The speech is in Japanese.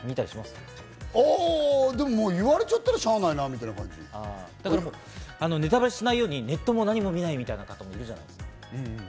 言われちゃったらしゃあないネタバレしないようにネットも何も見ないみたいな方もいるじゃないですか。